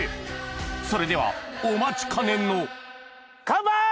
それではお待ちかねのカンパイ！